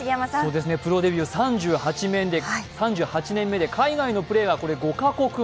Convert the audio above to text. プロデビュー３８年目で海外のプレーはこれ、５か国目。